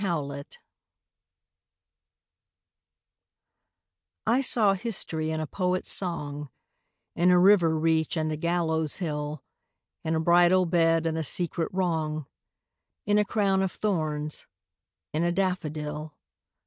SYMBOLS I saw history in a poet's song, In a river reach and a gallows hill, In a bridal bed, and a secret wrong, In a crown of thorns: in a daffodil.